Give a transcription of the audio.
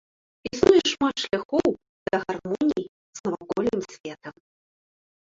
Існуе шмат шляхоў да гармоніі з навакольным светам.